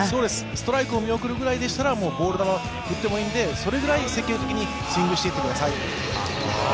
ストライクを見送るぐらいでしたら、ボール球、振ってもいいので、それぐらい積極的にスイングしていってください。